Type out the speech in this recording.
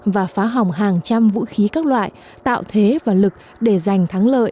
và phá hỏng hàng trăm vũ khí các loại tạo thế và lực để giành thắng lợi